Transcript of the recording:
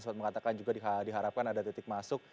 sempat mengatakan juga diharapkan ada titik masuk